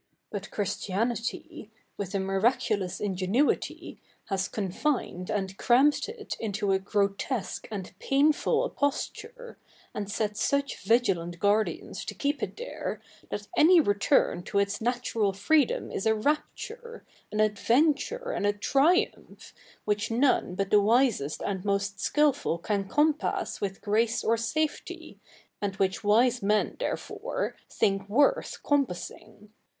But Christianity, with a miraculous ifigenuity, has confi7ied and c?'amfed it into so grotesque and paififul a posture, and set such vigilant gua?'dians to keep it there, that any return to its natural freedom is a rapture, an adventure, and a triumph, which 7i07ie but the wisest and 7nost skilful can co77ipass with grace or safety, ajid which wise 77ie7i, therefore, think worth compassi7ig.